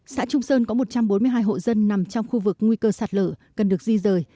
xã trung sơn có một trăm bốn mươi hai hộ dân nằm trong khu vực nguy cơ sạt lở cần được di rời